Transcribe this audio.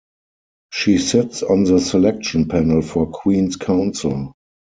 She sits on the Selection Panel for Queen's Counsel.